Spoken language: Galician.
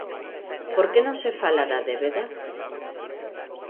Por que non se fala da débeda?